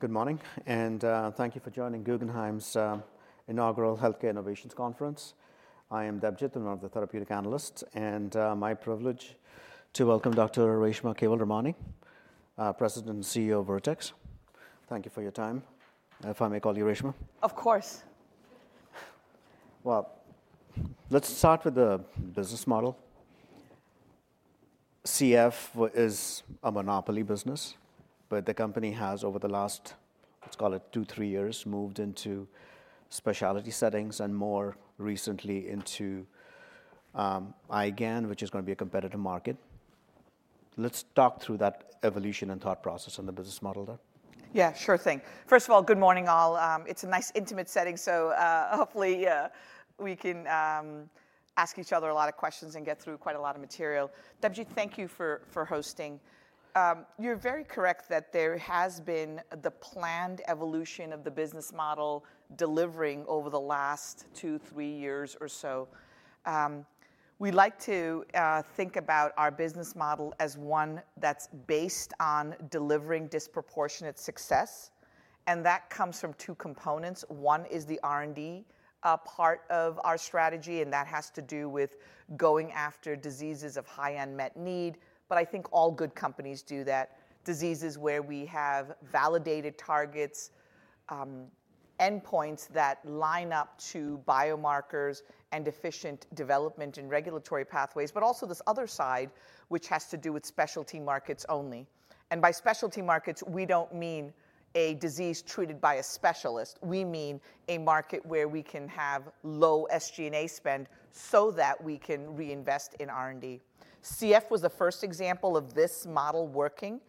All right. Good morning, and thank you for joining Guggenheim's inaugural Healthcare Innovations Conference. I am Debjit of the Therapeutic Analysts, and my privilege to welcome Dr. Reshma Kewalramani, President and CEO of Vertex. Thank you for your time. If I may call you Reshma? Of course. Let's start with the business model. CF is a monopoly business, but the company has, over the last, let's call it, two, three years, moved into specialty settings and, more recently, into IgA nephropathy, which is going to be a competitive market. Let's talk through that evolution and thought process and the business model there. Yeah, sure thing. First of all, good morning, all. It's a nice, intimate setting, so hopefully we can ask each other a lot of questions and get through quite a lot of material. Debjit, thank you for hosting. You're very correct that there has been the planned evolution of the business model delivering over the last two, three years or so. We like to think about our business model as one that's based on delivering disproportionate success, and that comes from two components. One is the R&D part of our strategy, and that has to do with going after diseases of high unmet need. But I think all good companies do that. Diseases where we have validated targets, endpoints that line up to biomarkers and efficient development and regulatory pathways, but also this other side, which has to do with specialty markets only. By specialty markets, we don't mean a disease treated by a specialist. We mean a market where we can have low SG&A spend so that we can reinvest in R&D. CF was the first example of this model working.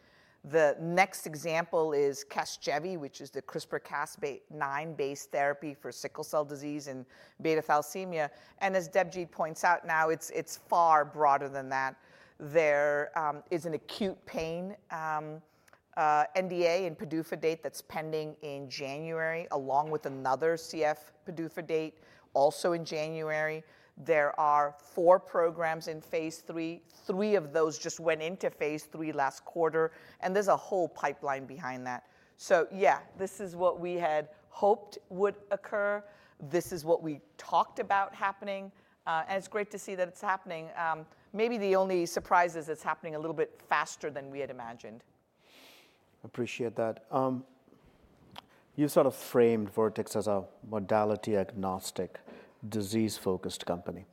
The next example is Casgevy, which is the CRISPR-Cas9-based therapy for sickle cell disease and beta thalassemia. And as Debjit points out, now it's far broader than that. There is an acute pain NDA in PDUFA date that's pending in January, along with another CF PDUFA date also in January. There are four programs in phase III. Three of those just went into phase III last quarter, and there's a whole pipeline behind that. So yeah, this is what we had hoped would occur. This is what we talked about happening, and it's great to see that it's happening. Maybe the only surprise is it's happening a little bit faster than we had imagined. Appreciate that. You sort of framed Vertex as a modality-agnostic, disease-focused company.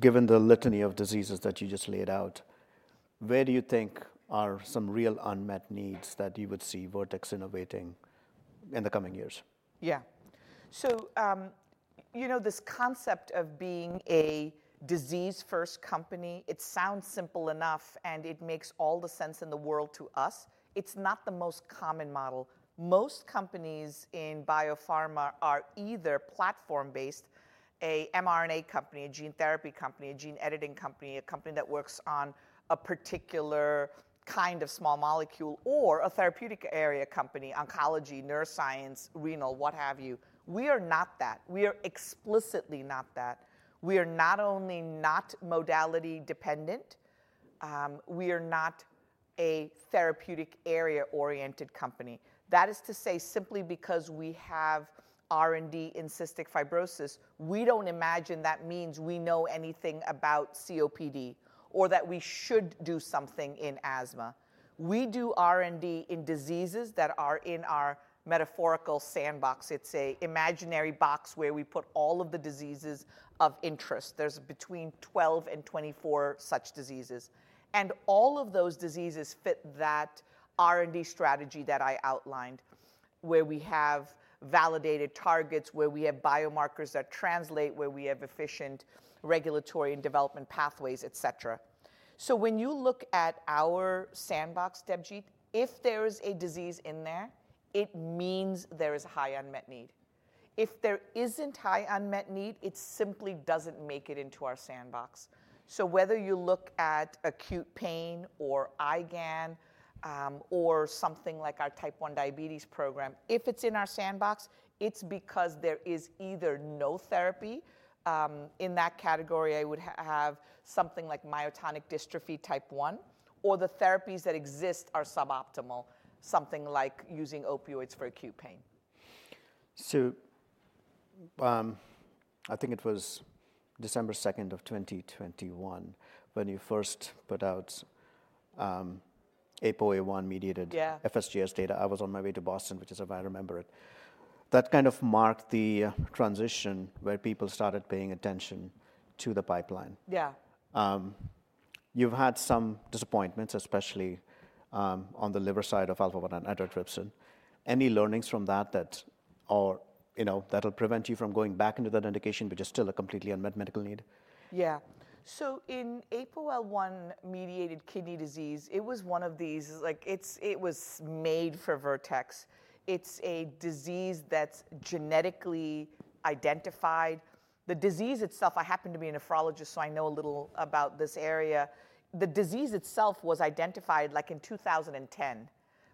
Given the litany of diseases that you just laid out, where do you think are some real unmet needs that you would see Vertex innovating in the coming years? Yeah. So you know this concept of being a disease-first company, it sounds simple enough, and it makes all the sense in the world to us. It's not the most common model. Most companies in biopharma are either platform-based, an mRNA company, a gene therapy company, a gene editing company, a company that works on a particular kind of small molecule, or a therapeutic area company, oncology, neuroscience, renal, what have you. We are not that. We are explicitly not that. We are not only not modality-dependent, we are not a therapeutic area-oriented company. That is to say, simply because we have R&D in cystic fibrosis, we don't imagine that means we know anything about COPD or that we should do something in asthma. We do R&D in diseases that are in our metaphorical sandbox. It's an imaginary box where we put all of the diseases of interest. There's between 12 and 24 such diseases, and all of those diseases fit that R&D strategy that I outlined, where we have validated targets, where we have biomarkers that translate, where we have efficient regulatory and development pathways, et cetera. So when you look at our sandbox, Debjit, if there is a disease in there, it means there is a high unmet need. If there isn't high unmet need, it simply doesn't make it into our sandbox. So whether you look at acute pain or IgAN or something like our type 1 diabetes program, if it's in our sandbox, it's because there is either no therapy. In that category, I would have something like myotonic dystrophy type 1, or the therapies that exist are suboptimal, something like using opioids for acute pain. I think it was December 2nd of 2021 when you first put out APOL1-mediated FSGS data. I was on my way to Boston, which is how I remember it. That kind of marked the transition where people started paying attention to the pipeline. Yeah. You've had some disappointments, especially on the liver side of alpha-1 antitrypsin. Any learnings from that that will prevent you from going back into that indication, which is still a completely unmet medical need? Yeah. So in APOL1-mediated kidney disease, it was one of these. It was made for Vertex. It's a disease that's genetically identified. The disease itself, I happen to be a nephrologist, so I know a little about this area. The disease itself was identified like in 2010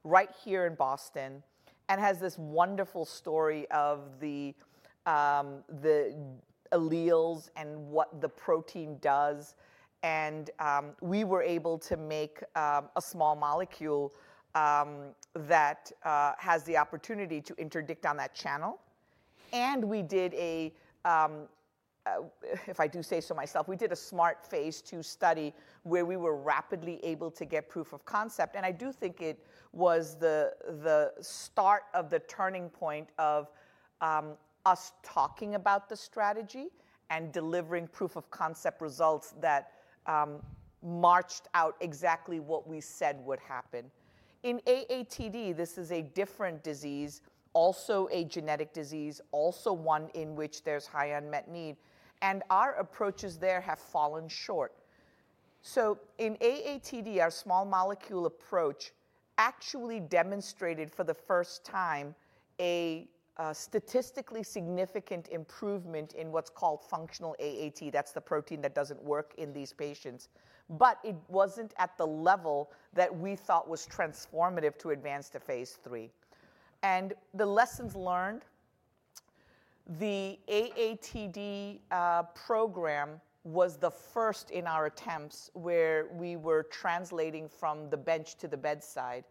right here in Boston and has this wonderful story of the alleles and what the protein does. And we were able to make a small molecule that has the opportunity to interdict on that channel. And we did a, if I do say so myself, we did a smart phase II study where we were rapidly able to get proof of concept. And I do think it was the start of the turning point of us talking about the strategy and delivering proof of concept results that marched out exactly what we said would happen. In AATD, this is a different disease, also a genetic disease, also one in which there's high unmet need, and our approaches there have fallen short, so in AATD, our small molecule approach actually demonstrated for the first time a statistically significant improvement in what's called functional AAT. That's the protein that doesn't work in these patients, but it wasn't at the level that we thought was transformative to advance to phase III. And the lessons learned, the AATD program was the first in our attempts where we were translating from the bench to the bedside,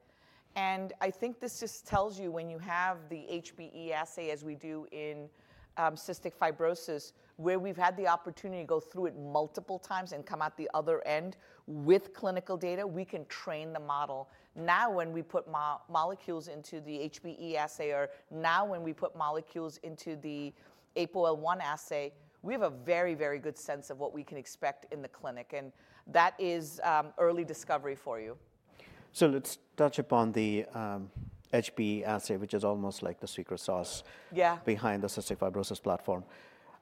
and I think this just tells you when you have the HBE assay, as we do in cystic fibrosis, where we've had the opportunity to go through it multiple times and come out the other end with clinical data, we can train the model. Now when we put molecules into the HBE assay, or now when we put molecules into the APOL1 assay, we have a very, very good sense of what we can expect in the clinic, and that is early discovery for you. So let's touch upon the HBE assay, which is almost like the secret sauce behind the cystic fibrosis platform.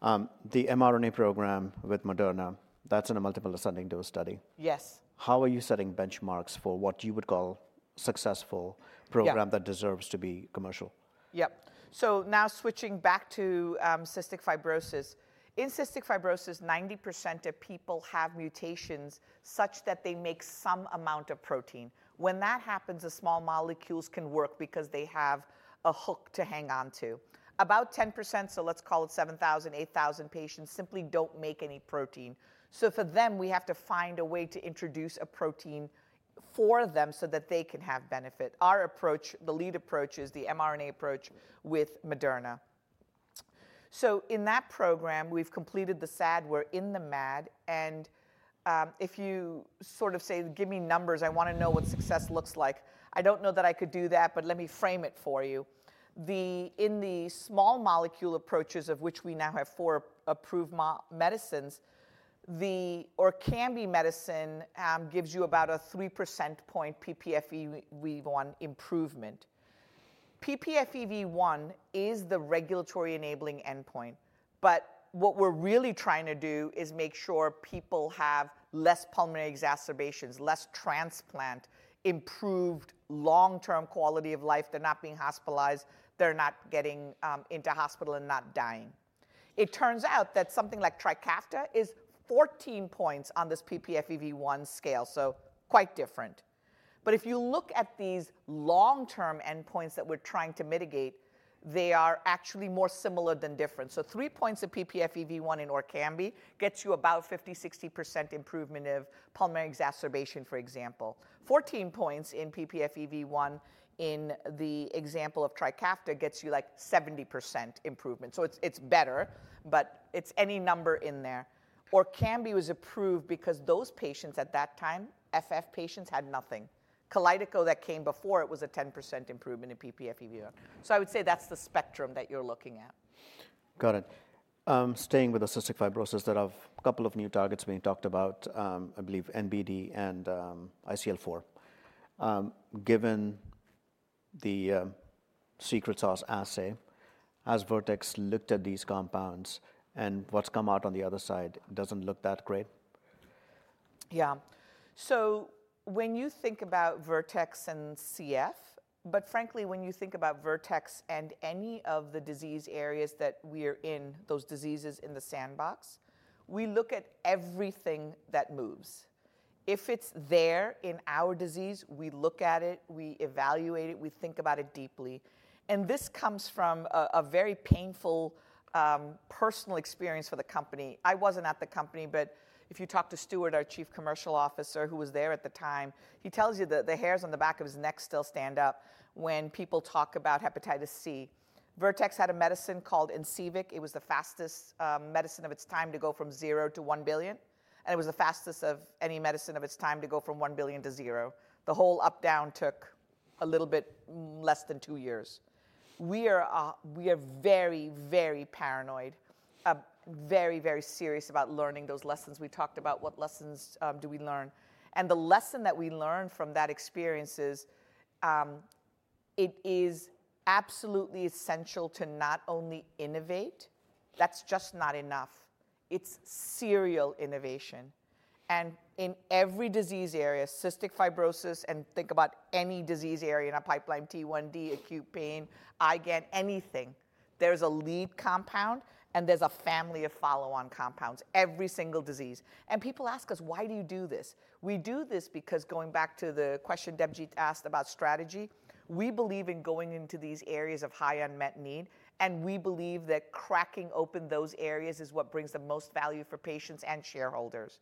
The mRNA program with Moderna, that's in a multiple ascending dose study. Yes. How are you setting benchmarks for what you would call a successful program that deserves to be commercial? Yep. So now switching back to cystic fibrosis. In cystic fibrosis, 90% of people have mutations such that they make some amount of protein. When that happens, the small molecules can work because they have a hook to hang on to. About 10%, so let's call it 7,000 patients, 8,000 patients, simply don't make any protein. So for them, we have to find a way to introduce a protein for them so that they can have benefit. Our approach, the lead approach is the mRNA approach with Moderna. So in that program, we've completed the SAD and we're in the MAD. And if you sort of say, give me numbers, I want to know what success looks like. I don't know that I could do that, but let me frame it for you. In the small molecule approaches, of which we now have four approved medicines, the Orkambi medicine gives you about a 3 percentage point ppFEV1 improvement. ppFEV1 is the regulatory enabling endpoint, but what we're really trying to do is make sure people have less pulmonary exacerbations, less transplant, improved long-term quality of life. They're not being hospitalized. They're not getting into hospital and not dying. It turns out that something like Trikafta is 14 points on this ppFEV1 scale, so quite different, but if you look at these long-term endpoints that we're trying to mitigate, they are actually more similar than different, so three points of ppFEV1 in Orkambi gets you about 50%-60% improvement of pulmonary exacerbation, for example. 14 points in ppFEV1 in the example of Trikafta gets you like 70% improvement, so it's better, but it's any number in there. Orkambi was approved because those patients at that time, FF patients, had nothing. Kalydeco that came before, it was a 10% improvement in ppFEV1, so I would say that's the spectrum that you're looking at. Got it. Staying with the cystic fibrosis, there are a couple of new targets being talked about, I believe NBD and ICL4. Given the secret sauce assay, has Vertex looked at these compounds and what's come out on the other side doesn't look that great? Yeah. So when you think about Vertex and CF, but frankly, when you think about Vertex and any of the disease areas that we are in, those diseases in the sandbox, we look at everything that moves. If it's there in our disease, we look at it, we evaluate it, we think about it deeply. And this comes from a very painful personal experience for the company. I wasn't at the company, but if you talk to Stuart, our Chief Commercial Officer, who was there at the time, he tells you that the hairs on the back of his neck still stand up when people talk about hepatitis C. Vertex had a medicine called Incivek. It was the fastest medicine of its time to go from zero to $1 billion. And it was the fastest of any medicine of its time to go from $1 billion to zero. The whole up-down took a little bit less than two years. We are very, very paranoid, very, very serious about learning those lessons. We talked about what lessons do we learn, and the lesson that we learned from that experience is it is absolutely essential to not only innovate. That's just not enough. It's serial innovation, and in every disease area, cystic fibrosis, and think about any disease area in our pipeline, T1D, acute pain, IgAN, anything, there's a lead compound and there's a family of follow-on compounds, every single disease, and people ask us, why do you do this? We do this because going back to the question Debjit asked about strategy, we believe in going into these areas of high unmet need, and we believe that cracking open those areas is what brings the most value for patients and shareholders.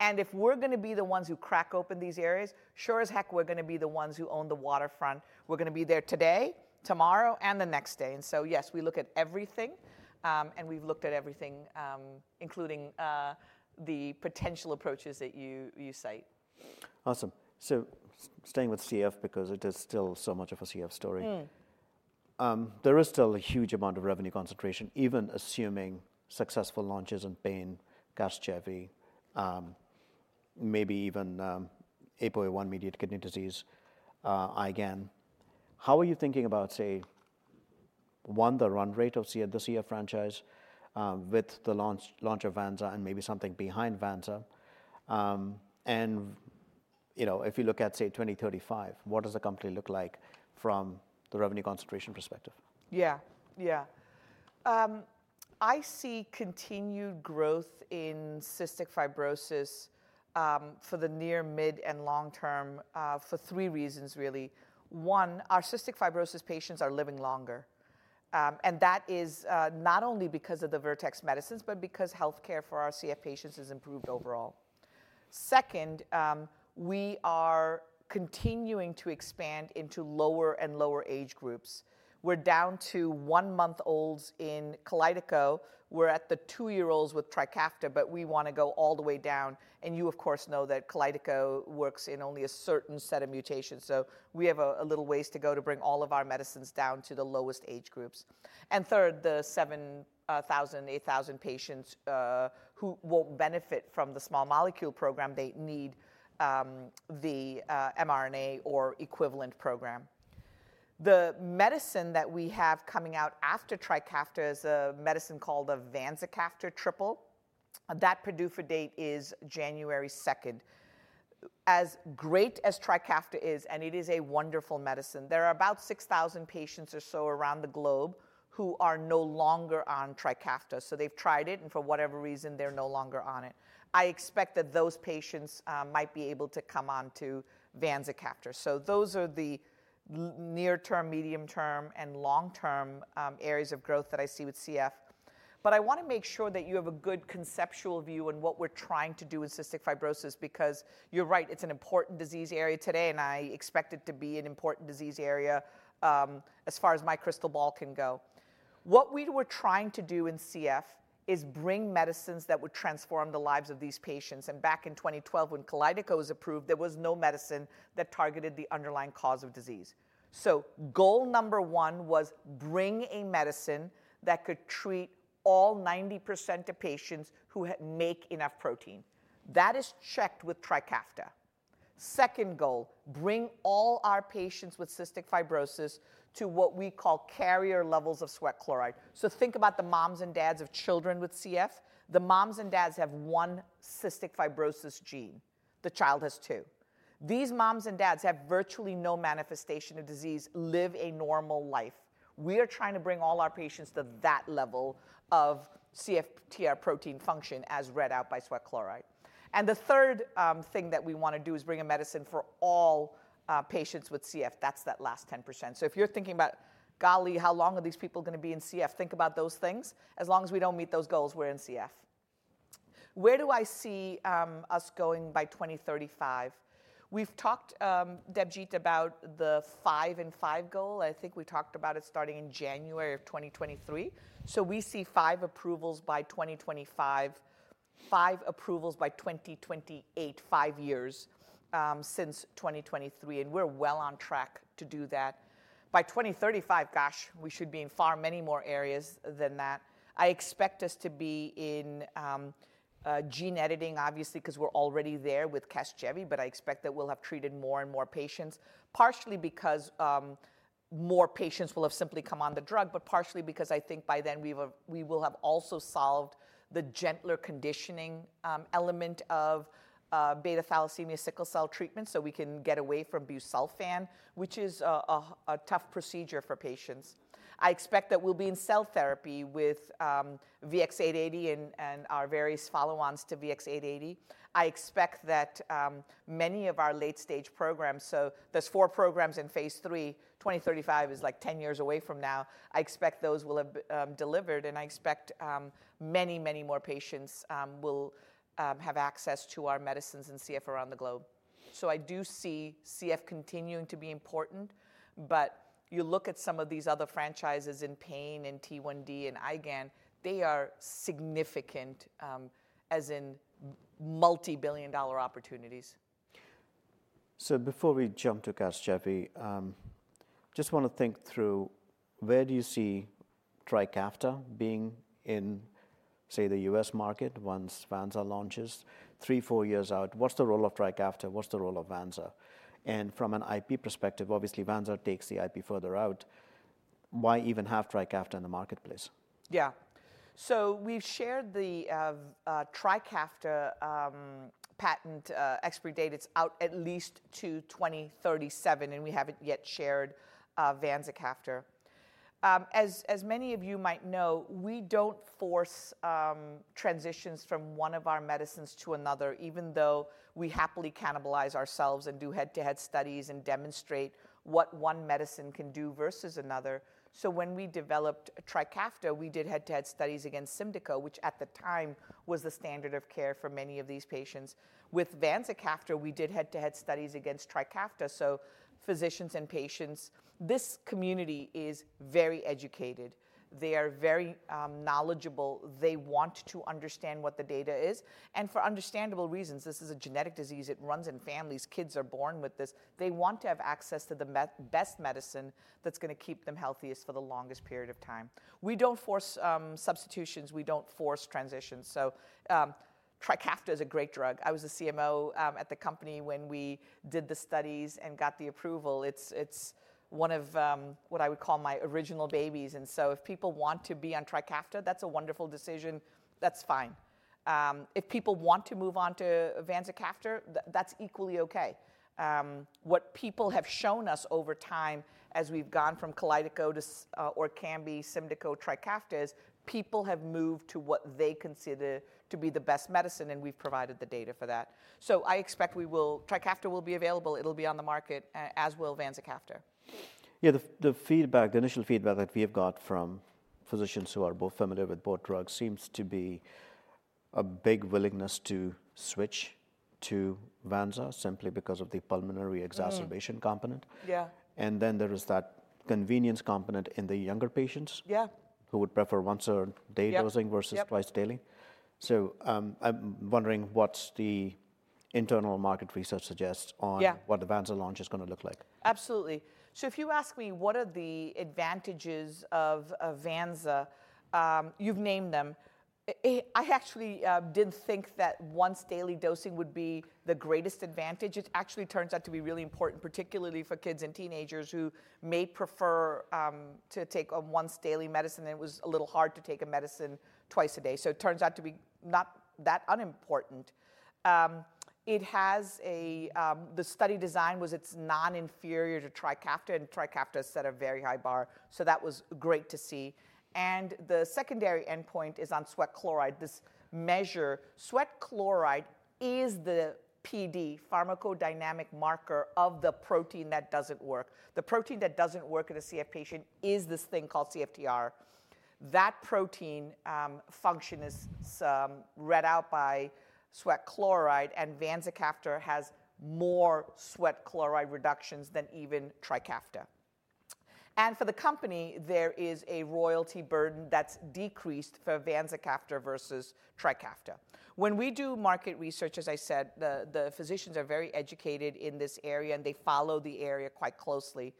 And if we're going to be the ones who crack open these areas, sure as heck, we're going to be the ones who own the waterfront. We're going to be there today, tomorrow, and the next day. And so yes, we look at everything, and we've looked at everything, including the potential approaches that you cite. Awesome. So staying with CF because it is still so much of a CF story, there is still a huge amount of revenue concentration, even assuming successful launches in pain, Casgevy, maybe even APOL1-mediated kidney disease, IgAN. How are you thinking about, say, one, the run rate of the CF franchise with the launch of Vanza, and maybe something behind Vanza? And if you look at, say, 2035, what does the company look like from the revenue concentration perspective? Yeah, yeah. I see continued growth in cystic fibrosis for the near, mid, and long term for three reasons, really. One, our cystic fibrosis patients are living longer. And that is not only because of the Vertex medicines, but because healthcare for our CF patients has improved overall. Second, we are continuing to expand into lower and lower age groups. We're down to one-month-olds in Kalydeco. We're at the two-year-olds with Trikafta, but we want to go all the way down. And you, of course, know that Kalydeco works in only a certain set of mutations. So we have a little ways to go to bring all of our medicines down to the lowest age groups. And third, the 7,000 patients, 8,000 patients who won't benefit from the small molecule program, they need the mRNA or equivalent program. The medicine that we have coming out after Trikafta is a medicine called the Vanza triple. That PDUFA date is January 2nd. As great as Trikafta is, and it is a wonderful medicine, there are about 6,000 patients or so around the globe who are no longer on Trikafta. So they've tried it, and for whatever reason, they're no longer on it. I expect that those patients might be able to come on to Vanza. So those are the near-term, medium-term, and long-term areas of growth that I see with CF. But I want to make sure that you have a good conceptual view on what we're trying to do in cystic fibrosis because you're right, it's an important disease area today, and I expect it to be an important disease area as far as my crystal ball can go. What we were trying to do in CF is bring medicines that would transform the lives of these patients, and back in 2012, when Kalydeco was approved, there was no medicine that targeted the underlying cause of disease, so goal number one was bring a medicine that could treat all 90% of patients who make enough protein. That is checked with Trikafta. Second goal, bring all our patients with cystic fibrosis to what we call carrier levels of sweat chloride, so think about the moms and dads of children with CF. The moms and dads have one cystic fibrosis gene. The child has two. These moms and dads have virtually no manifestation of disease, live a normal life. We are trying to bring all our patients to that level of CFTR protein function as read out by sweat chloride. And the third thing that we want to do is bring a medicine for all patients with CF. That's that last 10%. So if you're thinking about, golly, how long are these people going to be in CF, think about those things. As long as we don't meet those goals, we're in CF. Where do I see us going by 2035? We've talked, Debjit, about the five-in-five goal. I think we talked about it starting in January of 2023. So we see five approvals by 2025, five approvals by 2028, five years since 2023. And we're well on track to do that. By 2035, gosh, we should be in far many more areas than that. I expect us to be in gene editing, obviously, because we're already there with Casgevy, but I expect that we'll have treated more and more patients, partially because more patients will have simply come on the drug, but partially because I think by then we will have also solved the gentler conditioning element of beta thalassemia sickle cell treatment so we can get away from busulfan, which is a tough procedure for patients. I expect that we'll be in cell therapy with VX-880 and our various follow-ons to VX-880. I expect that many of our late-stage programs, so there's four programs in phase III. 2035 is like 10 years away from now. I expect those will have delivered, and I expect many, many more patients will have access to our medicines and CF around the globe. So I do see CF continuing to be important, but you look at some of these other franchises in pain and T1D and IgAN, they are significant as in multi-billion-dollar opportunities. So before we jump to Casgevy, just want to think through where do you see Trikafta being in, say, the U.S. market once Vanza launches? Three, four years out, what's the role of Trikafta? What's the role of Vanza? And from an IP perspective, obviously, Vanza takes the IP further out. Why even have Trikafta in the marketplace? Yeah. So we've shared the Trikafta patent expiry date. It's out at least to 2037, and we haven't yet shared Vanzacafta. As many of you might know, we don't force transitions from one of our medicines to another, even though we happily cannibalize ourselves and do head-to-head studies and demonstrate what one medicine can do versus another. So when we developed Trikafta, we did head-to-head studies against Symdeko, which at the time was the standard of care for many of these patients. With Vanzacafta, we did head-to-head studies against Trikafta. So physicians and patients, this community is very educated. They are very knowledgeable. They want to understand what the data is. And for understandable reasons, this is a genetic disease. It runs in families. Kids are born with this. They want to have access to the best medicine that's going to keep them healthiest for the longest period of time. We don't force substitutions. We don't force transitions, so Trikafta is a great drug. I was a CMO at the company when we did the studies and got the approval. It's one of what I would call my original babies, and so if people want to be on Trikafta, that's a wonderful decision. That's fine. If people want to move on to Vanza triple, that's equally okay. What people have shown us over time as we've gone from Kalydeco to Orkambi, Symdeko, Trikafta is people have moved to what they consider to be the best medicine, and we've provided the data for that, so I expect Trikafta will be available. It'll be on the market as will Vanza triple. Yeah, the feedback, the initial feedback that we have got from physicians who are both familiar with both drugs seems to be a big willingness to switch to Vanza simply because of the pulmonary exacerbation component. And then there is that convenience component in the younger patients who would prefer once a day dosing versus twice daily. So I'm wondering what the internal market research suggests on what the Vanza launch is going to look like. Absolutely. So if you ask me what are the advantages of Vanza, you've named them. I actually didn't think that once daily dosing would be the greatest advantage. It actually turns out to be really important, particularly for kids and teenagers who may prefer to take a once daily medicine, and it was a little hard to take a medicine twice a day. So it turns out to be not that unimportant. The study design was it's non-inferior to Trikafta, and Trikafta set a very high bar. So that was great to see. And the secondary endpoint is on sweat chloride. This measure, sweat chloride is the PD, pharmacodynamic marker of the protein that doesn't work. The protein that doesn't work in a CF patient is this thing called CFTR. That protein function is read out by sweat chloride, and Vanza triple has more sweat chloride reductions than even Trikafta. And for the company, there is a royalty burden that's decreased for Vanzacafta versus Trikafta. When we do market research, as I said, the physicians are very educated in this area, and they follow the area quite closely.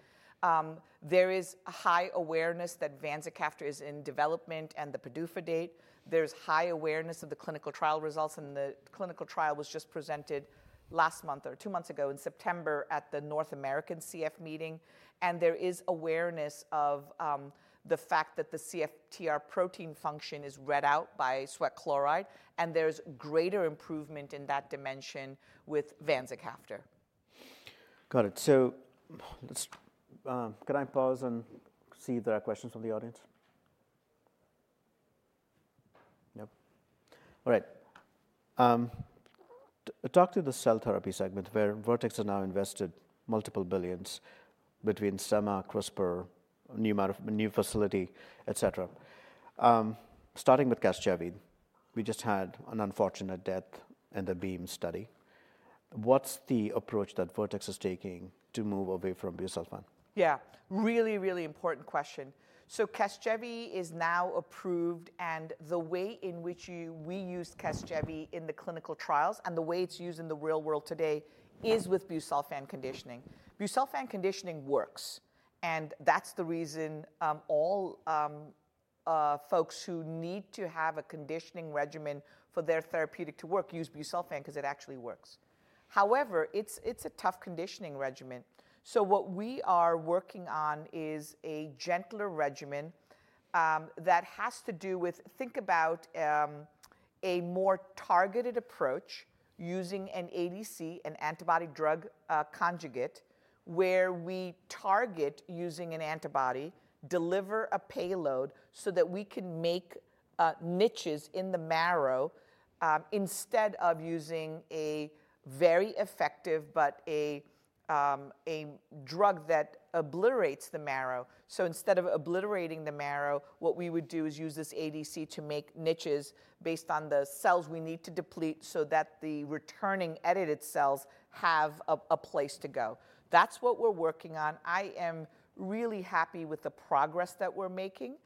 There is high awareness that Vanzacafta is in development and the PDUFA date. There's high awareness of the clinical trial results, and the clinical trial was just presented last month or two months ago in September at the North American CF meeting. And there is awareness of the fact that the CFTR protein function is read out by sweat chloride, and there's greater improvement in that dimension with Vanzacafta. Got it. So can I pause and see if there are questions from the audience? Nope. All right. Talk to the cell therapy segment where Vertex has now invested multiple billions between Semma, CRISPR, new facility, etc. Starting with Casgevy, we just had an unfortunate death in the Beam study. What's the approach that Vertex is taking to move away from busulfan? Yeah, really, really important question. So Casgevy is now approved, and the way in which we use Casgevy in the clinical trials and the way it's used in the real world today is with busulfan conditioning. Busulfan conditioning works, and that's the reason all folks who need to have a conditioning regimen for their therapeutic to work use busulfan because it actually works. However, it's a tough conditioning regimen. So what we are working on is a gentler regimen that has to do with think about a more targeted approach using an ADC, an antibody-drug conjugate, where we target using an antibody, deliver a payload so that we can make niches in the marrow instead of using a very effective, but a drug that obliterates the marrow. So instead of obliterating the marrow, what we would do is use this ADC to make niches based on the cells we need to deplete so that the returning edited cells have a place to go. That's what we're working on. I am really happy with the progress that we're making,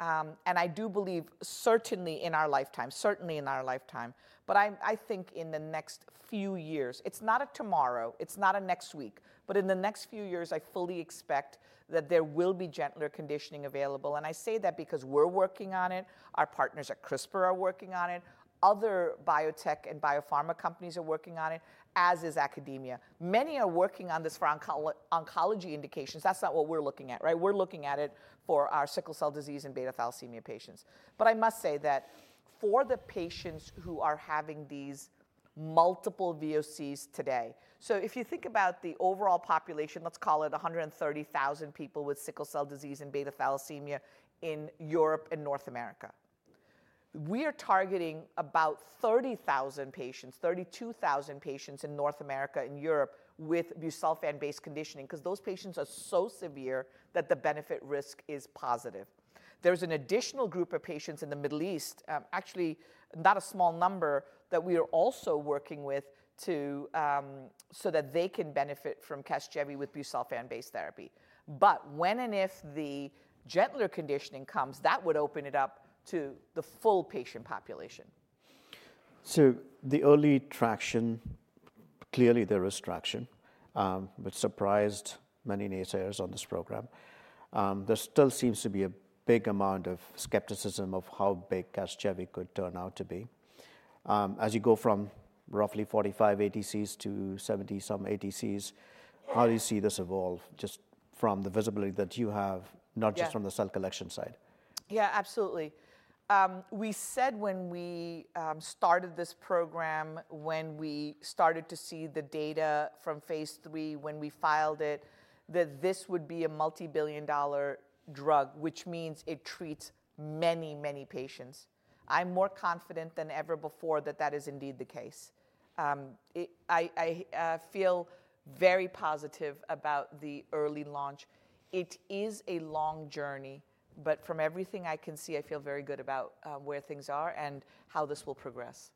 and I do believe certainly in our lifetime, certainly in our lifetime, but I think in the next few years. It's not a tomorrow. It's not a next week, but in the next few years, I fully expect that there will be gentler conditioning available. And I say that because we're working on it. Our partners at CRISPR are working on it. Other biotech and biopharma companies are working on it, as is academia. Many are working on this for oncology indications. That's not what we're looking at, right? We're looking at it for our sickle cell disease and beta thalassemia patients. But I must say that for the patients who are having these multiple VOCs today, so if you think about the overall population, let's call it 130,000 people with sickle cell disease and beta thalassemia in Europe and North America, we are targeting about 30,000 patients, 32,000 patients in North America and Europe with busulfan-based conditioning because those patients are so severe that the benefit risk is positive. There's an additional group of patients in the Middle East, actually not a small number, that we are also working with so that they can benefit from Casgevy with busulfan-based therapy. But when and if the gentler conditioning comes, that would open it up to the full patient population. The early traction, clearly there is traction, which surprised many analysts on this program. There still seems to be a big amount of skepticism of how big Casgevy could turn out to be. As you go from roughly 45 ATCs to 70-some ATCs, how do you see this evolve just from the visibility that you have, not just from the cell collection side? Yeah, absolutely. We said when we started this program, when we started to see the data from phase III, when we filed it, that this would be a multi-billion-dollar drug, which means it treats many, many patients. I'm more confident than ever before that that is indeed the case. I feel very positive about the early launch. It is a long journey, but from everything I can see, I feel very good about where things are and how this will progress.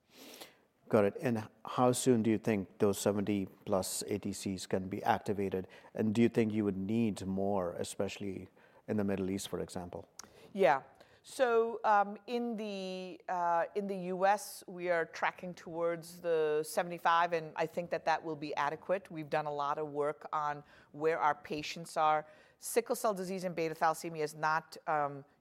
Got it. And how soon do you think those 70-plus ATCs can be activated? And do you think you would need more, especially in the Middle East, for example? Yeah. So in the U.S., we are tracking towards the 75 ATCs, and I think that that will be adequate. We've done a lot of work on where our patients are. Sickle cell disease and beta thalassemia is not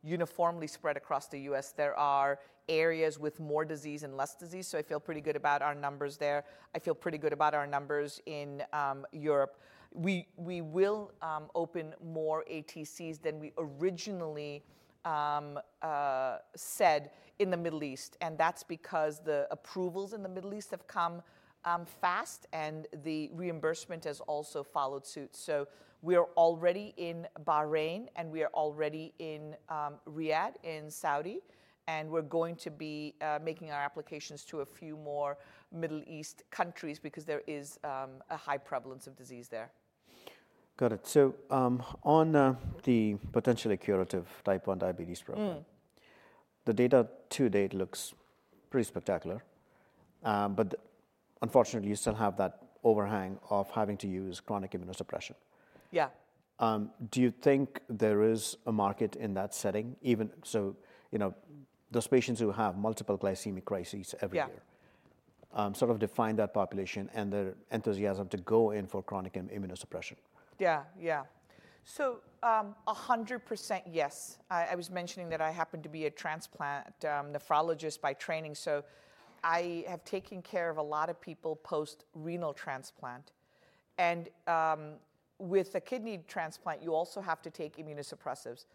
uniformly spread across the U.S. There are areas with more disease and less disease. So I feel pretty good about our numbers there. I feel pretty good about our numbers in Europe. We will open more ATCs than we originally said in the Middle East, and that's because the approvals in the Middle East have come fast, and the reimbursement has also followed suit. So we are already in Bahrain, and we are already in Riyadh in Saudi, and we're going to be making our applications to a few more Middle East countries because there is a high prevalence of disease there. Got it. So on the potentially curative type 1 diabetes program, the data to date looks pretty spectacular, but unfortunately, you still have that overhang of having to use chronic immunosuppression. Yeah. Do you think there is a market in that setting? Those patients who have multiple hypoglycemic crises every year sort of define that population and their enthusiasm to go in for chronic immunosuppression. Yeah, yeah. 100% yes. I was mentioning that I happen to be a transplant nephrologist by training. I have taken care of a lot of people post-renal transplant. With a kidney transplant, you also have to take immunosuppressives.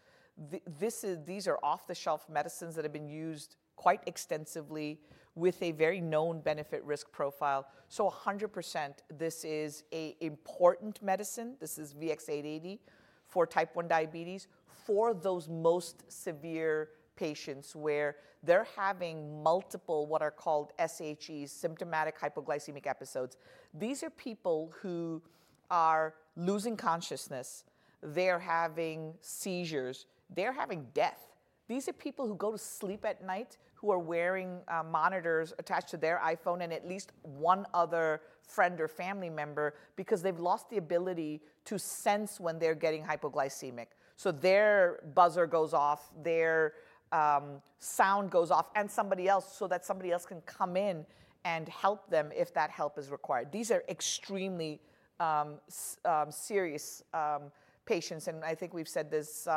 These are off-the-shelf medicines that have been used quite extensively with a very known benefit risk profile. 100%, this is an important medicine. This is VX-880 for type 1 diabetes. For those most severe patients where they're having multiple what are called SHEs, symptomatic hypoglycemic episodes, these are people who are losing consciousness. They're having seizures. They're having death. These are people who go to sleep at night, who are wearing monitors attached to their iPhone and at least one other friend or family member because they've lost the ability to sense when they're getting hypoglycemic. So their buzzer goes off, their sound goes off, and somebody else can come in and help them if that help is required. These are extremely serious patients, and I think we've said there's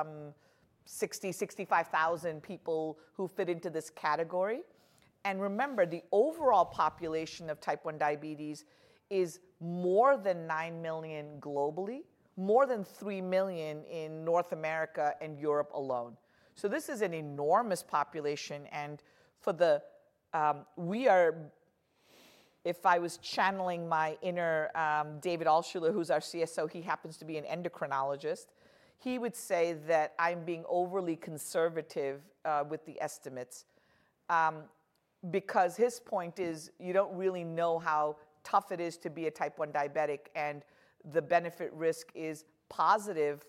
60,000 people, 65,000 people who fit into this category. And remember, the overall population of type 1 diabetes is more than 9 million globally, more than 3 million in North America and Europe alone. So this is an enormous population. And if I was channeling my inner David Altshuler, who's our CSO, he happens to be an endocrinologist. He would say that I'm being overly conservative with the estimates because his point is you don't really know how tough it is to be a type 1 diabetic, and the benefit risk is positive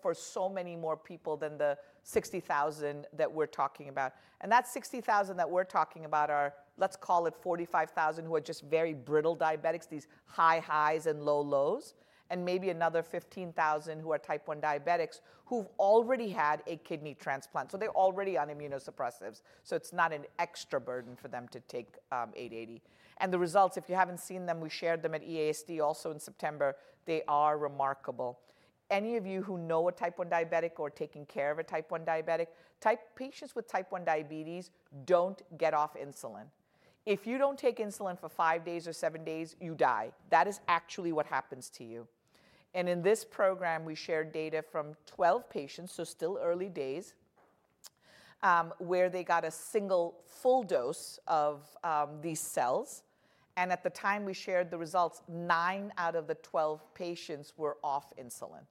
for so many more people than the 60,000 people that we're talking about. And that 60,000 people that we're talking about are, let's call it 45,000 people who are just very brittle diabetics, these high highs and low lows, and maybe another 15,000 people who are type 1 diabetics who've already had a kidney transplant. So they're already on immunosuppressants. So it's not an extra burden for them to take 880. And the results, if you haven't seen them, we shared them at EASD also in September. They are remarkable. Any of you who know a type 1 diabetic or are taking care of a type 1 diabetic, patients with type 1 diabetes don't get off insulin. If you don't take insulin for five days or seven days, you die. That is actually what happens to you. And in this program, we shared data from 12 patients, so still early days, where they got a single full dose of these cells. And at the time we shared the results, nine out of the 12 patients were off insulin.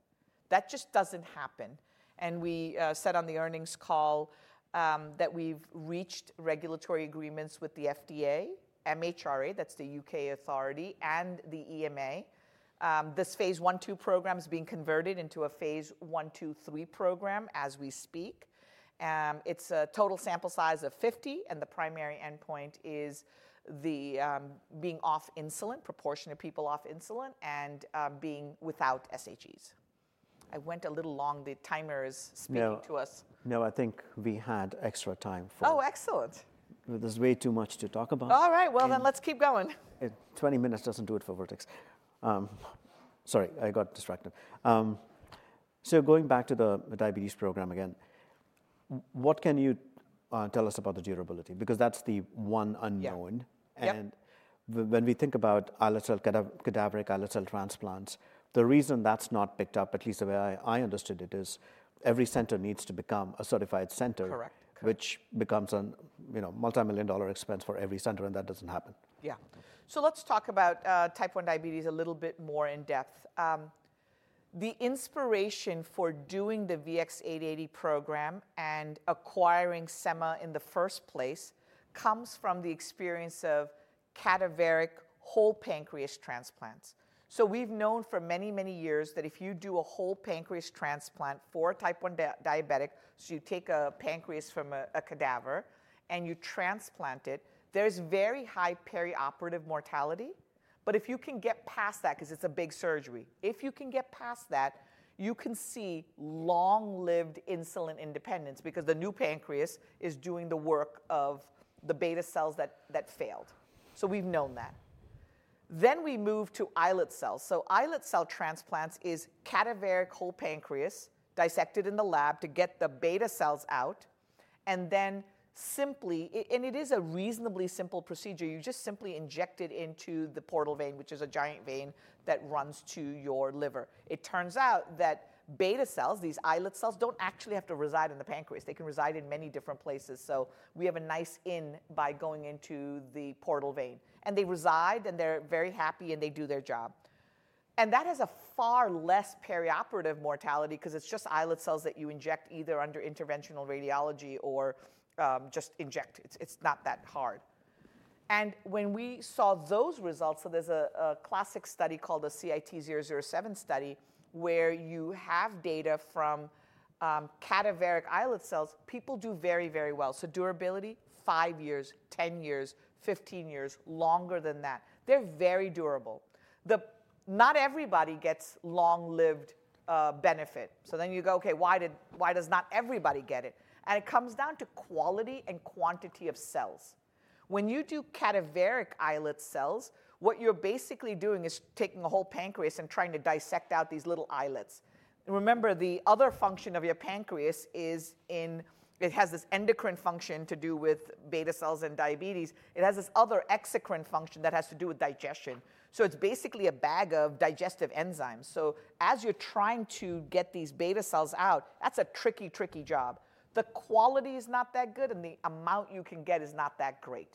That just doesn't happen. And we said on the earnings call that we've reached regulatory agreements with the FDA, MHRA, that's the UK authority, and the EMA. This phase I/II program is being converted into a phase I/II/III program as we speak. It's a total sample size of 50, and the primary endpoint is the being off insulin, proportion of people off insulin, and being without SHEs. I went a little long. The timer is speaking to us. No, I think we had extra time for. Oh, excellent. There's way too much to talk about. All right, well then let's keep going. 20 minutes doesn't do it for Vertex. Sorry, I got distracted. So going back to the diabetes program again, what can you tell us about the durability? Because that's the one unknown. And when we think about islet cell cadaveric islet cell transplants, the reason that's not picked up, at least the way I understood it, is every center needs to become a certified center, which becomes a multi-million-dollar expense for every center, and that doesn't happen. Yeah. So let's talk about Type 1 diabetes a little bit more in depth. The inspiration for doing the VX-880 program and acquiring Semma in the first place comes from the experience of cadaveric whole pancreas transplants. So we've known for many, many years that if you do a whole pancreas transplant for a Type 1 diabetic, so you take a pancreas from a cadaver and you transplant it, there's very high perioperative mortality. But if you can get past that because it's a big surgery, if you can get past that, you can see long-lived insulin independence because the new pancreas is doing the work of the beta cells that failed. So we've known that. Then we move to islet cells. So islet cell transplants is cadaveric whole pancreas dissected in the lab to get the beta cells out, and then simply, and it is a reasonably simple procedure. You just simply inject it into the portal vein, which is a giant vein that runs to your liver. It turns out that beta cells, these islet cells, don't actually have to reside in the pancreas. They can reside in many different places. So we have a nice in by going into the portal vein, and they reside, and they're very happy, and they do their job. And that has a far less perioperative mortality because it's just islet cells that you inject either under interventional radiology or just inject. It's not that hard. And when we saw those results, so there's a classic study called the CIT-07 study where you have data from cadaveric islet cells, people do very, very well. So durability, five years, 10 years, 15 years, longer than that. They're very durable. Not everybody gets long-lived benefit. So then you go, okay, why does not everybody get it? And it comes down to quality and quantity of cells. When you do cadaveric islet cells, what you're basically doing is taking a whole pancreas and trying to dissect out these little islets. Remember, the other function of your pancreas is in it has this endocrine function to do with beta cells and diabetes. It has this other exocrine function that has to do with digestion. So it's basically a bag of digestive enzymes. So as you're trying to get these beta cells out, that's a tricky, tricky job. The quality is not that good, and the amount you can get is not that great.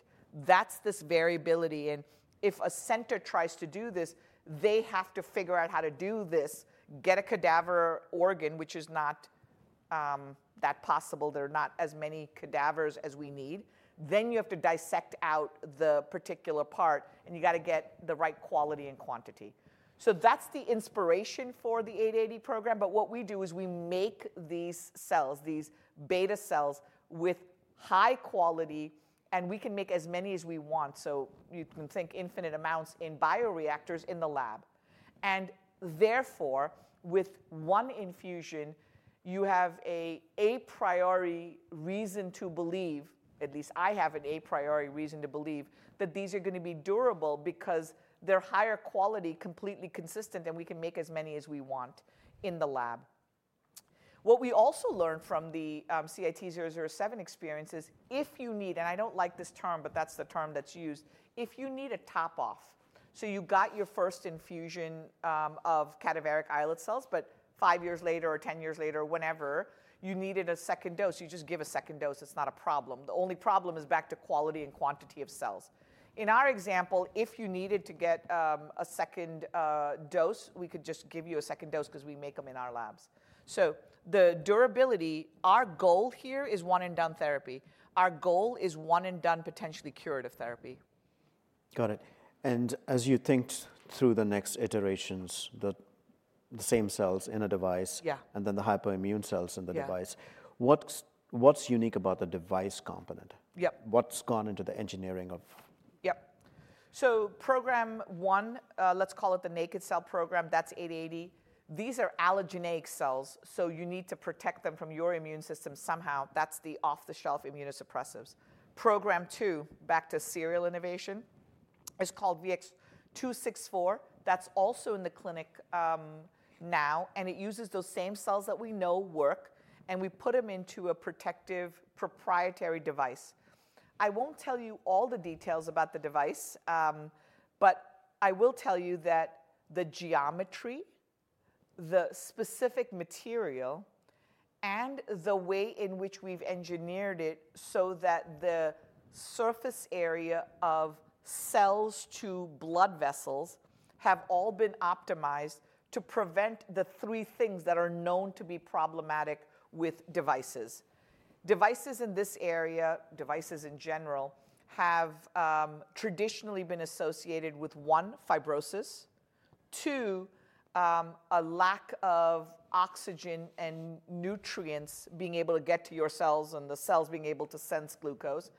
That's this variability. And if a center tries to do this, they have to figure out how to do this, get a cadaver organ, which is not that possible. There are not as many cadavers as we need. Then you have to dissect out the particular part, and you got to get the right quality and quantity. So that's the inspiration for the VX-880 program. But what we do is we make these cells, these beta cells with high quality, and we can make as many as we want. So you can think infinite amounts in bioreactors in the lab. And therefore, with one infusion, you have a priori reason to believe, at least I have an a priori reason to believe that these are going to be durable because they're higher quality, completely consistent, and we can make as many as we want in the lab. What we also learned from the CIT-07 experience is if you need, and I don't like this term, but that's the term that's used, if you need a top-off. So you got your first infusion of cadaveric islet cells, but five years later or 10 years later, whenever you needed a second dose, you just give a second dose. It's not a problem. The only problem is back to quality and quantity of cells. In our example, if you needed to get a second dose, we could just give you a second dose because we make them in our labs. So the durability, our goal here is one-and-done therapy. Our goal is one-and-done potentially curative therapy. Got it. And as you think through the next iterations, the same cells in a device and then the hypoimmune cells in the device, what's unique about the device component? What's gone into the engineering of? Yep. So program one, let's call it the naked cell program, that's VX-880. These are allogeneic cells, so you need to protect them from your immune system somehow. That's the off-the-shelf immunosuppressives. Program two, back to serial innovation, is called VX-264. That's also in the clinic now, and it uses those same cells that we know work, and we put them into a protective proprietary device. I won't tell you all the details about the device, but I will tell you that the geometry, the specific material, and the way in which we've engineered it so that the surface area of cells to blood vessels have all been optimized to prevent the three things that are known to be problematic with devices. Devices in this area, devices in general, have traditionally been associated with one, fibrosis, two, a lack of oxygen and nutrients being able to get to your cells and the cells being able to sense glucose,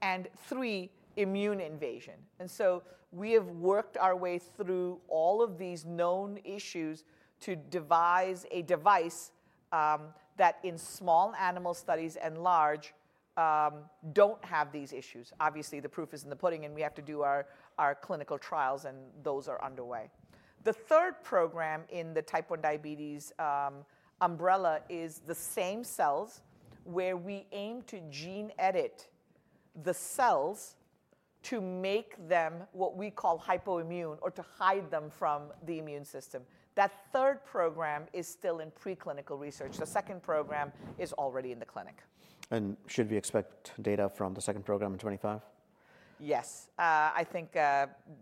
and three, immune invasion, and so we have worked our way through all of these known issues to devise a device that in small animal studies and large don't have these issues. Obviously, the proof is in the pudding, and we have to do our clinical trials, and those are underway. The third program in the type 1 diabetes umbrella is the same cells where we aim to gene edit the cells to make them what we call hypoimmune or to hide them from the immune system. That third program is still in preclinical research. The second program is already in the clinic. Should we expect data from the second program in 2025? Yes. I think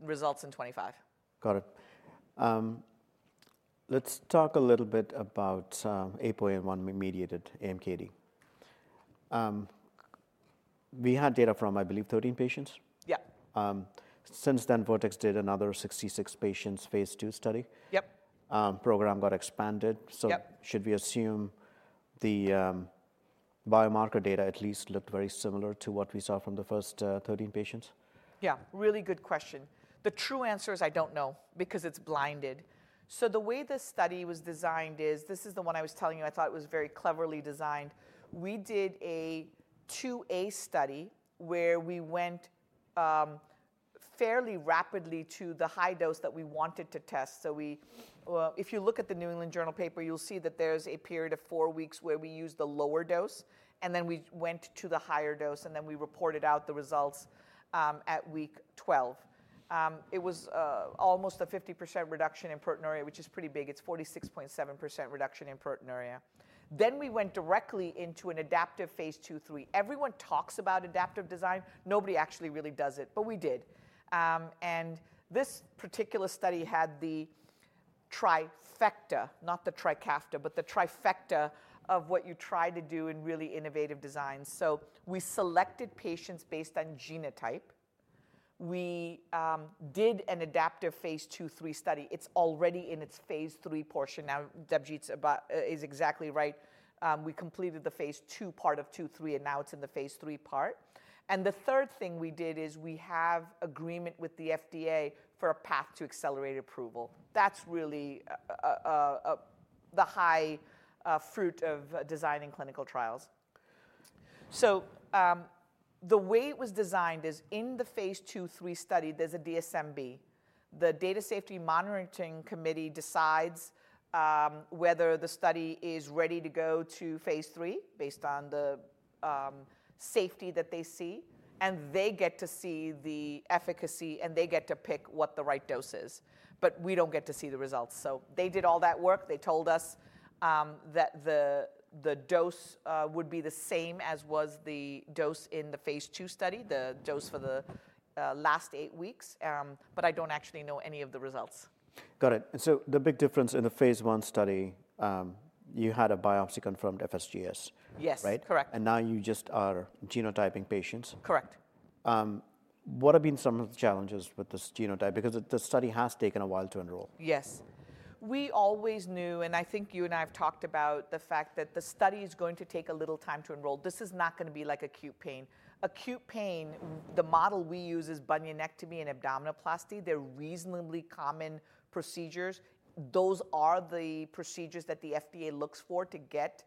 results in 2025. Got it. Let's talk a little bit about APOL1-mediated AMKD. We had data from, I believe, 13 patients. Yep. Since then, Vertex did another 66 patients phase II study. Yep. Program got expanded. So should we assume the biomarker data at least looked very similar to what we saw from the first 13 patients? Yeah. Really good question. The true answer is I don't know because it's blinded, so the way the study was designed is, this is the one I was telling you I thought was very cleverly designed. We did a 2A study where we went fairly rapidly to the high dose that we wanted to test, so if you look at the New England Journal paper, you'll see that there's a period of four weeks where we used the lower dose, and then we went to the higher dose, and then we reported out the results at week 12. It was almost a 50% reduction in proteinuria, which is pretty big. It's 46.7% reduction in proteinuria, then we went directly into an adaptive phase two, three. Everyone talks about adaptive design. Nobody actually really does it, but we did. And this particular study had the trifecta, not the Trikafta, but the trifecta of what you try to do in really innovative designs. So we selected patients based on genotype. We did an adaptive phase II, III study. It's already in its phase three portion. Now, Debjit is exactly right. We completed the phase II part of II, III, and now it's in the phase III part. And the third thing we did is we have agreement with the FDA for a path to accelerated approval. That's really the low-hanging fruit of designing clinical trials. So the way it was designed is in the phase II, III study, there's a DSMB. The Data Safety Monitoring Committee decides whether the study is ready to go to phase III based on the safety that they see, and they get to see the efficacy, and they get to pick what the right dose is. But we don't get to see the results. So they did all that work. They told us that the dose would be the same as was the dose in the phase II study, the dose for the last eight weeks, but I don't actually know any of the results. Got it. And so the big difference in the phase I study, you had a biopsy confirmed FSGS, right? Yes, correct. Now you just are genotyping patients. Correct. What have been some of the challenges with this genotype? Because the study has taken a while to enroll. Yes. We always knew, and I think you and I have talked about the fact that the study is going to take a little time to enroll. This is not going to be like acute pain. Acute pain, the model we use is bunionectomy and abdominoplasty. They're reasonably common procedures. Those are the procedures that the FDA looks for to get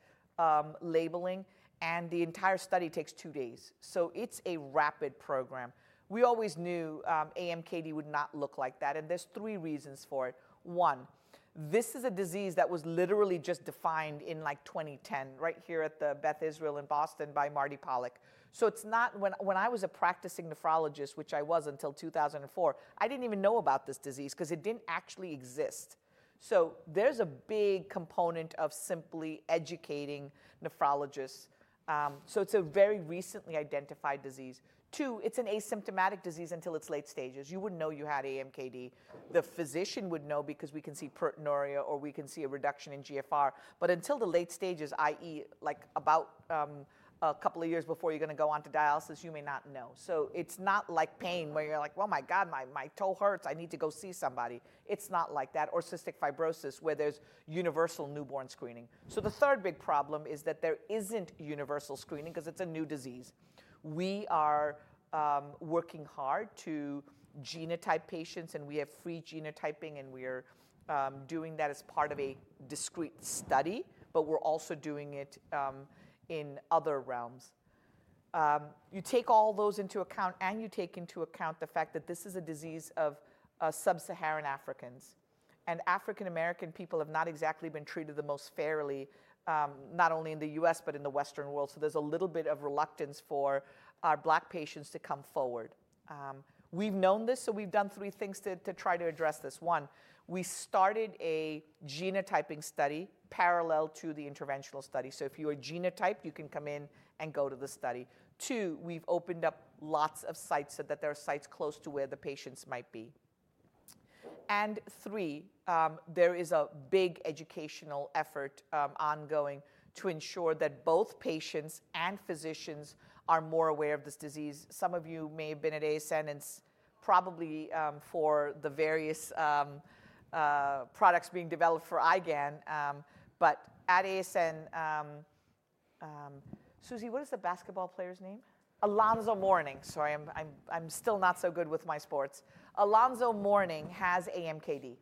labeling, and the entire study takes two days, so it's a rapid program. We always knew AMKD would not look like that, and there's three reasons for it. One, this is a disease that was literally just defined in like 2010 right here at the Beth Israel Deaconess Medical Center in Boston by Martin Pollak, so it's not when I was a practicing nephrologist, which I was until 2004, I didn't even know about this disease because it didn't actually exist, so there's a big component of simply educating nephrologists. So it's a very recently identified disease. Two, it's an asymptomatic disease until its late stages. You wouldn't know you had AMKD. The physician would know because we can see proteinuria or we can see a reduction in GFR. But until the late stages, i.e., like about a couple of years before you're going to go on to dialysis, you may not know. So it's not like pain where you're like, "Oh my God, my toe hurts. I need to go see somebody." It's not like that. Or cystic fibrosis where there's universal newborn screening. So the third big problem is that there isn't universal screening because it's a new disease. We are working hard to genotype patients, and we have free genotyping, and we are doing that as part of a discrete study, but we're also doing it in other realms. You take all those into account, and you take into account the fact that this is a disease of sub-Saharan Africans, and African-American people have not exactly been treated the most fairly, not only in the U.S., but in the Western world. So there's a little bit of reluctance for our Black patients to come forward. We've known this, so we've done three things to try to address this. One, we started a genotyping study parallel to the interventional study. So if you are genotyped, you can come in and go to the study. Two, we've opened up lots of sites so that there are sites close to where the patients might be. And three, there is a big educational effort ongoing to ensure that both patients and physicians are more aware of this disease. Some of you may have been at ASN and probably for the various products being developed for IgAN, but at ASN, Susie, what is the basketball player's name? Alonzo Mourning. Sorry, I'm still not so good with my sports. Alonzo Mourning has AMKD.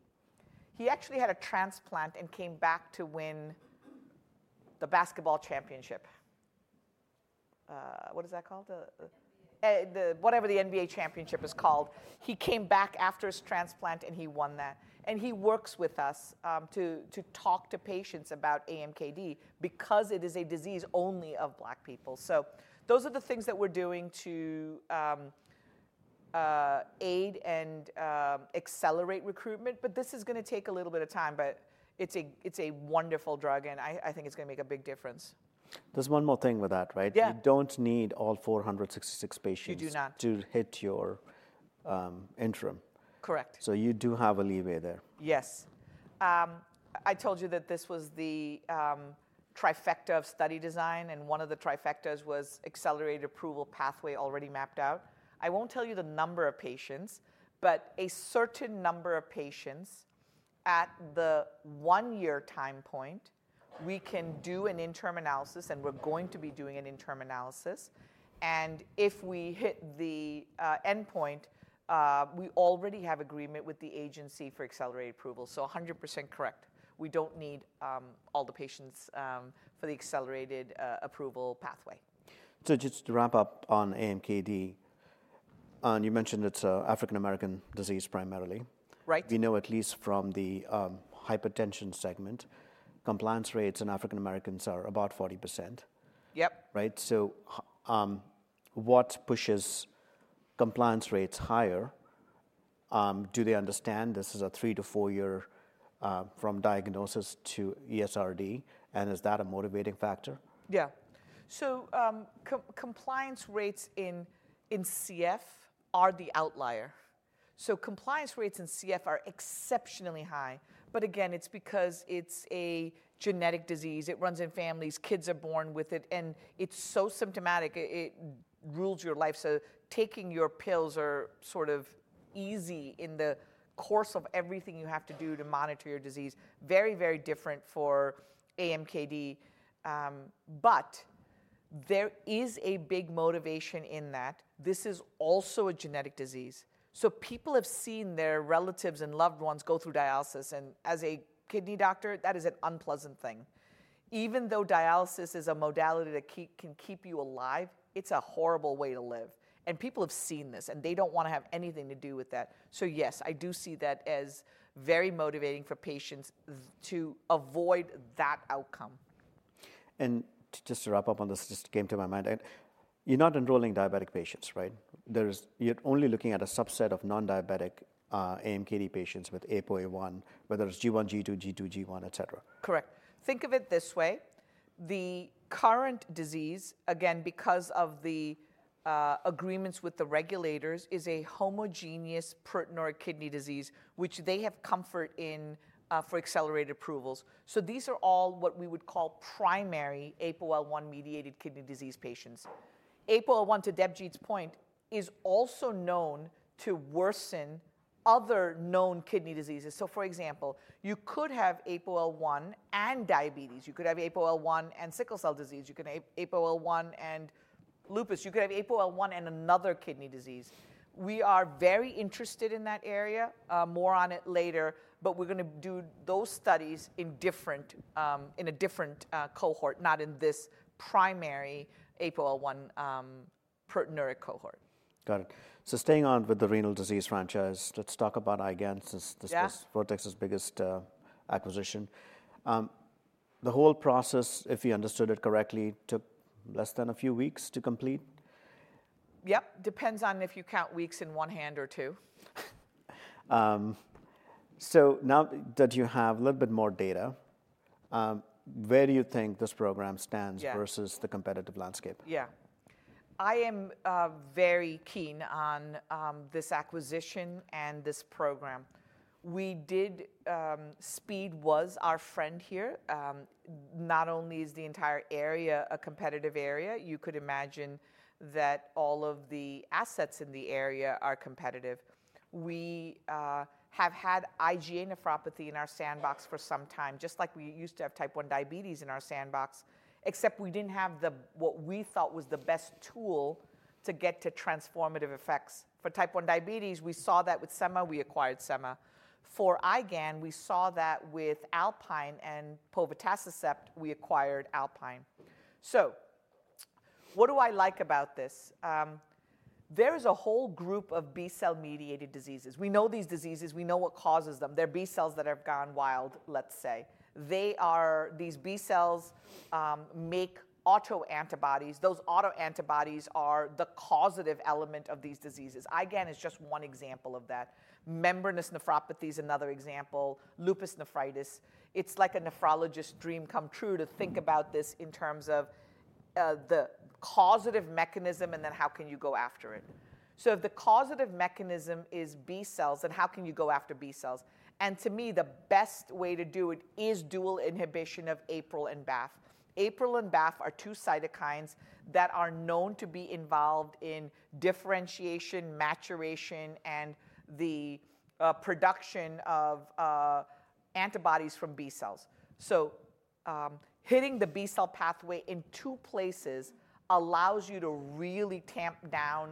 He actually had a transplant and came back to win the basketball championship. What is that called? Whatever the NBA championship is called. He came back after his transplant, and he won that, and he works with us to talk to patients about AMKD because it is a disease only of Black people, so those are the things that we're doing to aid and accelerate recruitment, but this is going to take a little bit of time, but it's a wonderful drug, and I think it's going to make a big difference. There's one more thing with that, right? You don't need all 466 patients. You do not. To hit your interim. Correct. So you do have a leeway there. Yes. I told you that this was the trifecta of study design, and one of the trifectas was accelerated approval pathway already mapped out. I won't tell you the number of patients, but a certain number of patients at the one-year time point, we can do an interim analysis, and we're going to be doing an interim analysis. And if we hit the endpoint, we already have agreement with the agency for accelerated approval. So 100% correct. We don't need all the patients for the accelerated approval pathway. So just to wrap up on AMKD, you mentioned it's an African-American disease primarily. Right. We know at least from the hypertension segment, compliance rates in African-Americans are about 40%. Yep. Right? So what pushes compliance rates higher? Do they understand this is a three- to four-year from diagnosis to ESRD, and is that a motivating factor? Yeah. So compliance rates in CF are the outlier. So compliance rates in CF are exceptionally high, but again, it's because it's a genetic disease. It runs in families. Kids are born with it, and it's so symptomatic. It rules your life. So taking your pills are sort of easy in the course of everything you have to do to monitor your disease. Very, very different for AMKD, but there is a big motivation in that. This is also a genetic disease. So people have seen their relatives and loved ones go through dialysis, and as a kidney doctor, that is an unpleasant thing. Even though dialysis is a modality that can keep you alive, it's a horrible way to live. And people have seen this, and they don't want to have anything to do with that. So yes, I do see that as very motivating for patients to avoid that outcome. Just to wrap up on this, just came to my mind. You're not enrolling diabetic patients, right? You're only looking at a subset of non-diabetic AMKD patients with APOL1, whether it's G1, G2, G2, G1, etc. Correct. Think of it this way. The current disease, again, because of the agreements with the regulators, is a homogeneous proteinuric kidney disease, which they have comfort in for accelerated approvals. So these are all what we would call primary APOL1-mediated kidney disease patients. APOL1, to Debjit's point, is also known to worsen other known kidney diseases. So for example, you could have APOL1 and diabetes. You could have APOL1 and sickle cell disease. You could have APOL1 and lupus. You could have APOL1 and another kidney disease. We are very interested in that area, more on it later, but we're going to do those studies in a different cohort, not in this primary APOL1 proteinuric cohort. Got it. So staying on with the renal disease franchise, let's talk about IgAN, since this was Vertex's biggest acquisition. The whole process, if we understood it correctly, took less than a few weeks to complete? Yep. Depends on if you count weeks in one hand or two. So now that you have a little bit more data, where do you think this program stands versus the competitive landscape? Yeah. I am very keen on this acquisition and this program. Speed was our friend here. Not only is the entire area a competitive area, you could imagine that all of the assets in the area are competitive. We have had IgA nephropathy in our sandbox for some time, just like we used to have type 1 diabetes in our sandbox, except we didn't have what we thought was the best tool to get to transformative effects. For type 1 diabetes, we saw that with Semma. We acquired Semma. For IgAN, we saw that with Alpine, and povetacicept, we acquired Alpine. So what do I like about this? There is a whole group of B-cell-mediated diseases. We know these diseases. We know what causes them. They're B-cells that have gone wild, let's say. These B-cells make autoantibodies. Those autoantibodies are the causative element of these diseases. IgAN is just one example of that. Membranous nephropathy is another example. Lupus nephritis. It's like a nephrologist's dream come true to think about this in terms of the causative mechanism and then how can you go after it. So if the causative mechanism is B-cells, then how can you go after B-cells? And to me, the best way to do it is dual inhibition of APRIL and BAFF. APRIL and BAFF are two cytokines that are known to be involved in differentiation, maturation, and the production of antibodies from B-cells. So hitting the B-cell pathway in two places allows you to really tamp down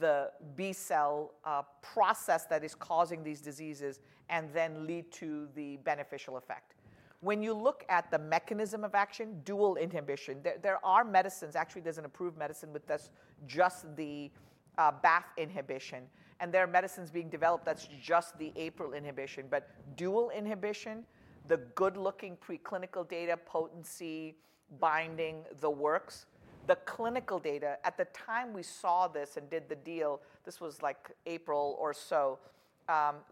the B-cell process that is causing these diseases and then lead to the beneficial effect. When you look at the mechanism of action, dual inhibition, there are medicines. Actually, there's an approved medicine with just the BAFF inhibition, and there are medicines being developed that's just the APRIL inhibition, but dual inhibition, the good-looking preclinical data, potency, binding, the works. The clinical data, at the time we saw this and did the deal, this was like April or so,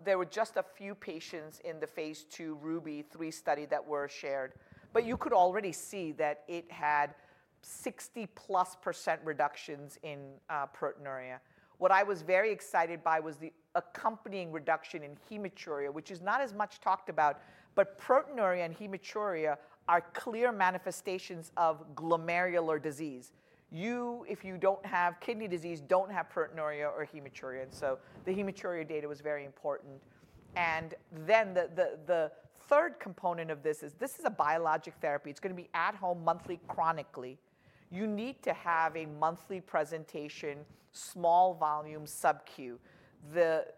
there were just a few patients in the phase II RUBY-3 study that were shared, but you could already see that it had 60-plus% reductions in proteinuria. What I was very excited by was the accompanying reduction in hematuria, which is not as much talked about, but proteinuria and hematuria are clear manifestations of glomerular disease. If you don't have kidney disease, don't have proteinuria or hematuria. And so the hematuria data was very important. And then the third component of this is this is a biologic therapy. It's going to be at home monthly chronically. You need to have a monthly presentation, small volume subq.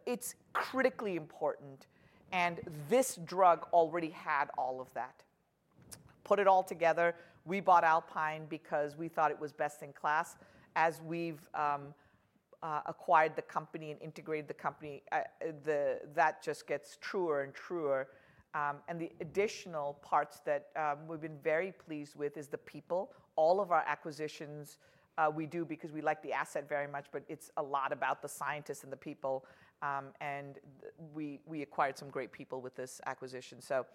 It's critically important, and this drug already had all of that. Put it all together. We bought Alpine because we thought it was best in class. As we've acquired the company and integrated the company, that just gets truer and truer. And the additional parts that we've been very pleased with is the people. All of our acquisitions we do because we like the asset very much, but it's a lot about the scientists and the people, and we acquired some great people with this acquisition. So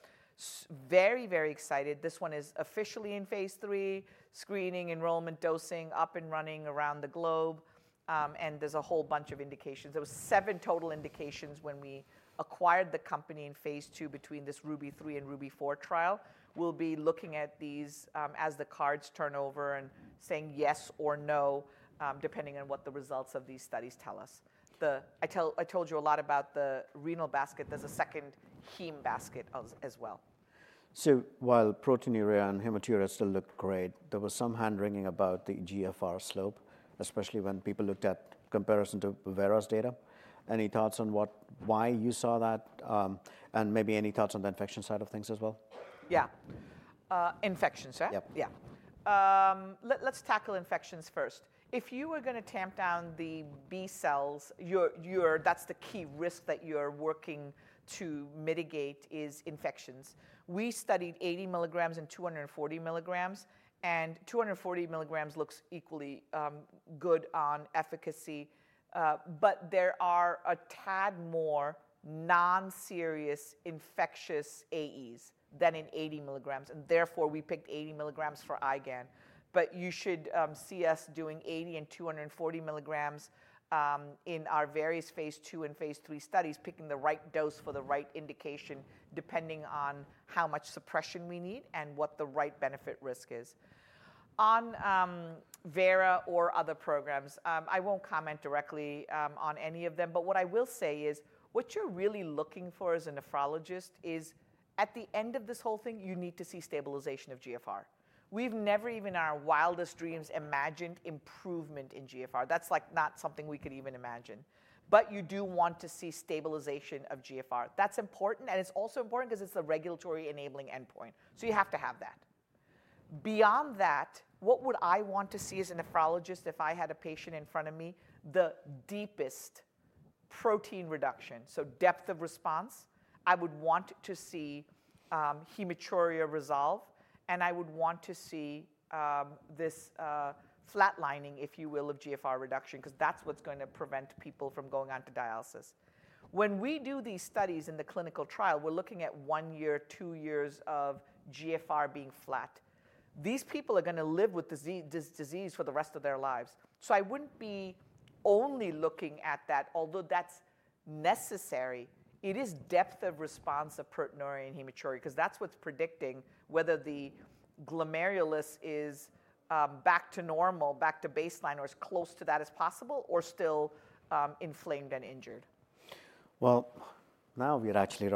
very, very excited. This one is officially in phase III, screening, enrollment, dosing, up and running around the globe, and there's a whole bunch of indications. There were seven total indications when we acquired the company in phase two between this RUBY-3 and RUBY-4 trial. We'll be looking at these as the cards turn over and saying yes or no, depending on what the results of these studies tell us. I told you a lot about the renal basket. There's a second heme basket as well. So while proteinuria and hematuria still look great, there was some hand-wringing about the GFR slope, especially when people looked at comparison to Vera's data. Any thoughts on why you saw that? And maybe any thoughts on the infection side of things as well? Yeah. Infections, huh? Yep. Yeah. Let's tackle infections first. If you were going to tamp down the B-cells, that's the key risk that you're working to mitigate is infections. We studied 80 mg and 240 mg, and 240 mg looks equally good on efficacy, but there are a tad more non-serious infectious AEs than in 80 mg, and therefore we picked 80 mg for IgAN. But you should see us doing 80 mg and 240 mg in our various phase II and phase III studies, picking the right dose for the right indication depending on how much suppression we need and what the right benefit risk is. On Vera or other programs, I won't comment directly on any of them, but what I will say is what you're really looking for as a nephrologist is at the end of this whole thing, you need to see stabilization of GFR. We've never even in our wildest dreams imagined improvement in GFR. That's like not something we could even imagine. But you do want to see stabilization of GFR. That's important, and it's also important because it's the regulatory enabling endpoint. So you have to have that. Beyond that, what would I want to see as a nephrologist if I had a patient in front of me? The deepest protein reduction, so depth of response. I would want to see hematuria resolve, and I would want to see this flatlining, if you will, of GFR reduction because that's what's going to prevent people from going on to dialysis. When we do these studies in the clinical trial, we're looking at one year, two years of GFR being flat. These people are going to live with this disease for the rest of their lives. So I wouldn't be only looking at that, although that's necessary. It is depth of response of proteinuria and hematuria because that's what's predicting whether the glomerulus is back to normal, back to baseline, or as close to that as possible, or still inflamed and injured. Now we are actually.